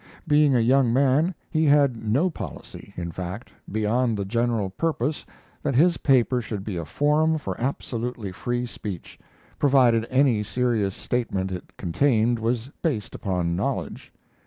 Being a young man, he had no policy, in fact, beyond the general purpose that his paper should be a forum for absolutely free speech, provided any serious statement it contained was based upon knowledge.